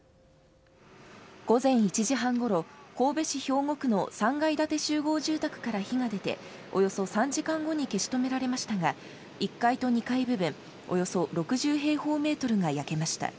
午前１時半ごろ神戸市兵庫区の３階建て集合住宅から火が出ておよそ３時間後に消し止められましたが１階と２階部分およそ６０平方ｍが焼けました。